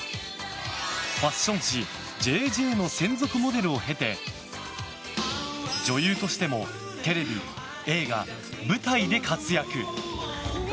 ファッション誌「ＪＪ」の専属モデルを経て女優としてもテレビ、映画、舞台で活躍！